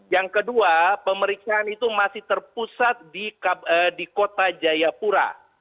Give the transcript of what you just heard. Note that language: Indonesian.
yang kedua pemeriksaan itu masih terpusat di kota jayapura